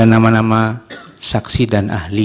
nama nama saksi dan ahli